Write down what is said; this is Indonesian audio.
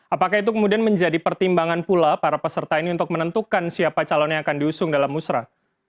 apakah itu kemudian menjadi pertimbangan pula para peserta ini untuk menentukan siapa calon yang akan diusung dalam musrah